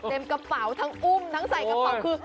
กระเป๋าทั้งอุ้มทั้งใส่กระเป๋าคือ